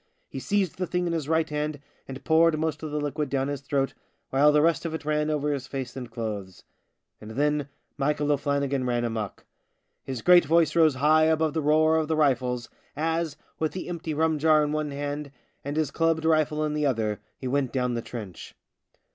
He seized the thing in his right hand and poured most of the liquid down his throat, while the rest of it ran over his face and clothes. And then Michael O'Flannigan ran amok. His great voice rose high above the roar of the rifles, as, with the empty rum jar in one hand and his clubbed rifle in the other he went down the trench.